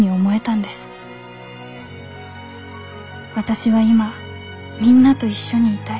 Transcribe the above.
私は今みんなと一緒にいたい。